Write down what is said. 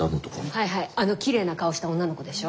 はいはいあのきれいな顔した女の子でしょ？